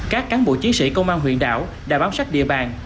các cán bộ chiến sĩ công an huyện đảo đã bám sát địa bàn